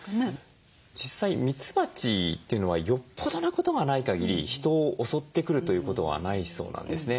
実際ミツバチというのはよっぽどのことがないかぎり人を襲ってくるということはないそうなんですね。